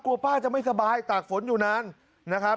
ป้าจะไม่สบายตากฝนอยู่นานนะครับ